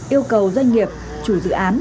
yêu cầu doanh nghiệp chủ dự án